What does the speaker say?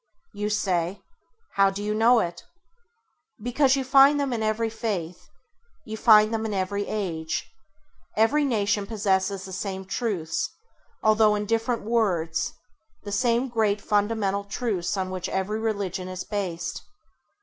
You say: How do you know it ? Because you find them in every faith. You find them in every age. Every nation possesses the same truths although in different words, the same great fundamental truths on which every religion is based.